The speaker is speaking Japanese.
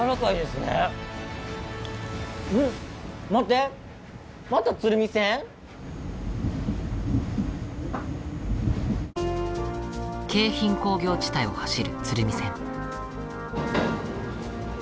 待って京浜工業地帯を走る鶴見線。